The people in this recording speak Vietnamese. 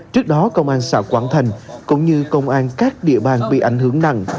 trước đó công an xã quảng thành cũng như công an các địa bàn bị ảnh hưởng nặng